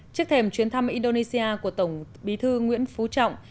trước thềm chuyến thăm indonesia của tổng bí thư nguyễn phú trọng